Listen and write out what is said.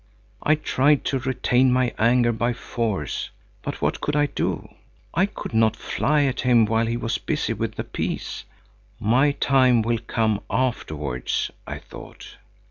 I tried to retain my anger by force. But what could I do? I could not fly at him while he was busy with the peas. My time will come afterwards, I thought.